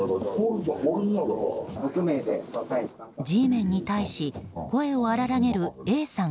Ｇメンに対し声を荒らげるＡさん